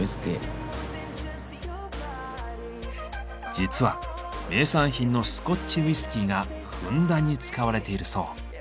実は名産品のスコッチウイスキーがふんだんに使われているそう。